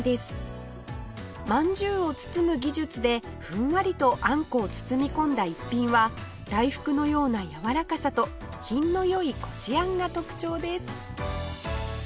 まんじゅうを包む技術でふんわりとあんこを包み込んだ逸品は大福のようなやわらかさと品の良いこしあんが特徴です